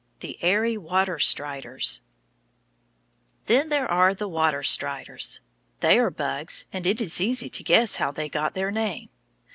THE AIRY WATER STRIDERS Then there are the water striders. They are bugs, and it is easy to guess how they got their name.